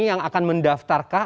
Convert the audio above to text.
yang akan mendaftarkah